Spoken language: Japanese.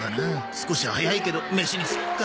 少し早いけど飯にすっか。